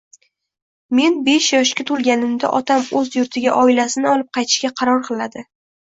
Men besh yoshga to`lganimda otam o`z yurtiga oilasini olib qaytishga qaror qiladi